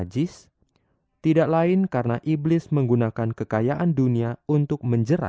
jika diare gunakan kencur